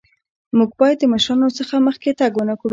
مونږ باید د مشرانو څخه مخکې تګ ونکړو.